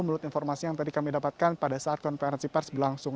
menurut informasi yang tadi kami dapatkan pada saat konferensi pers berlangsung